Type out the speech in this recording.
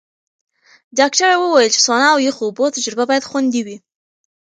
ډاکټره وویل چې سونا او یخو اوبو تجربه باید خوندي وي.